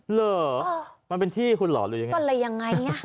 เหรอมันเป็นที่คุณหลอดหรือยังไง